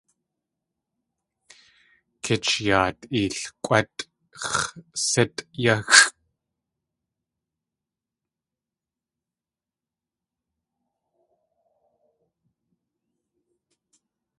Kichyaat ilkʼwátʼx̲ sítʼ yáxʼ.